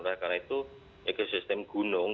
karena itu ekosistem gunung